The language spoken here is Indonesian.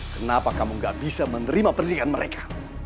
kenapa kamu gak bisa menerima pendidikan mereka